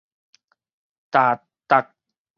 踏觸